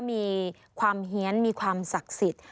มีความเฮียนมีความศักดิ์สิทธิ์